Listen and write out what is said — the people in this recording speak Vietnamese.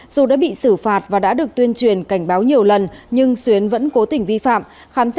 dù đã bị xử phạt và đã được tuyên truyền cảnh báo nhiều lần nhưng xuyến vẫn cố tình vi phạm